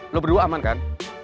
lo berdua aman kan